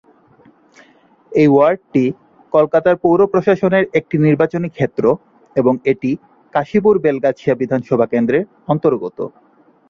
এই ওয়ার্ডটি কলকাতার পৌর-প্রশাসনের একটি নির্বাচনী ক্ষেত্র এবং এটি কাশীপুর-বেলগাছিয়া বিধানসভা কেন্দ্রের অন্তর্গত।